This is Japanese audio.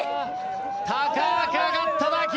高く上がった打球。